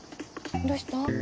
どうした？